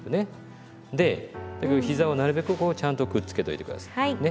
でひざをなるべくこうちゃんとくっつけといて下さいね。